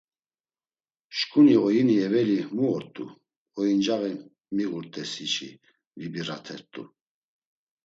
Şǩuni oyini eveli mu ort̆u, oyincaği miğurt̆esi çi vibiratert̆u.